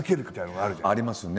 ありますよね。